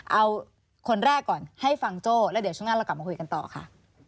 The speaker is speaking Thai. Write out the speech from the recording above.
เอาคนแรกก่อนให้ฟังโจ้แล้วเดี๋ยวช่วงหน้าเรากลับมาคุยกันต่อค่ะ